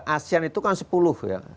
asean itu kan sepuluh ya